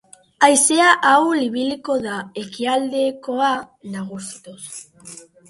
Haizea ahul ibiliko da, ekialdekoa nagusituz.